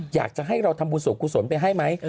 อยากจะให้เราทำบุญส่วนกุศลไปให้ไหม